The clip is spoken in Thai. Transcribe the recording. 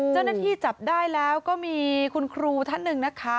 เจ้าหน้าที่จับได้แล้วก็มีคุณครูท่านหนึ่งนะคะ